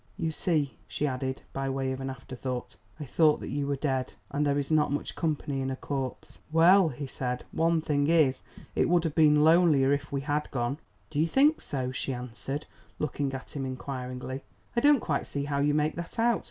You see," she added by way of an afterthought, "I thought that you were dead, and there is not much company in a corpse." "Well," he said, "one thing is, it would have been lonelier if we had gone." "Do you think so?" she answered, looking at him inquiringly. "I don't quite see how you make that out.